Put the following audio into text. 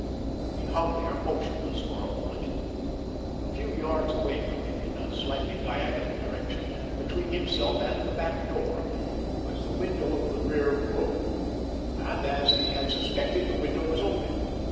He hung there motionless for a moment. A few yards away from him, in a slightly diagonal direction, and between himself and the back door, was the window of the rear room; and, as he had suspected, the window was open.